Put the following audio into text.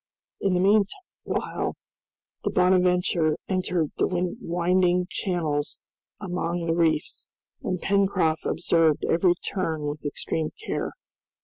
In the meanwhile the "Bonadventure" entered the winding channels among the reefs, and Pencroft observed every turn with extreme care.